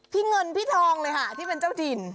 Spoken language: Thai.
พี่เงินพี่ทองเลยค่ะที่เป็นเจ้าถิ่น